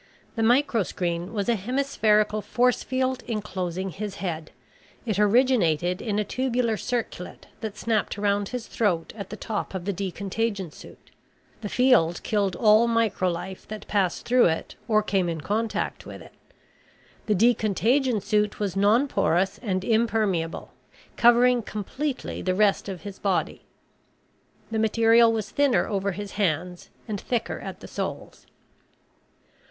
The microscreen was a hemispherical force field enclosing his head. It originated in a tubular circlet that snapped around his throat at the top of the decontagion suit. The field killed all microlife that passed through it or came in contact with it. The decontagion suit was non porous and impermeable, covering completely the rest of his body. The material was thinner over his hands and thicker at the soles.